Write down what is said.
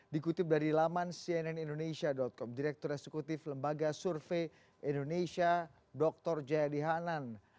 dikutip dari laman cnnindonesia com direktur eksekutif lembaga survei indonesia dr jayadi hanan